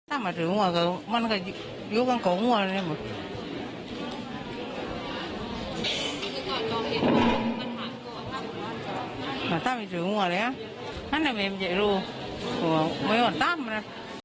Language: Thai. ไอ้ลูกหัวไม่เหมือนตามมาน่ะ